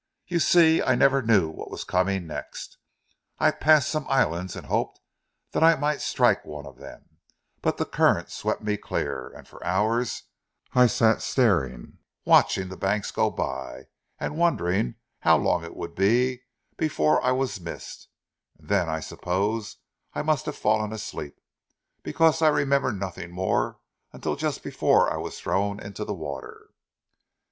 "You see I never knew what was coming next. I passed some islands and hoped that I might strike one of them, but the current swept me clear, and for hours I sat staring, watching the banks go by, and wondering how long it would be before I was missed; and then, I suppose I must have fallen asleep, because I remember nothing more until just before I was thrown into the water."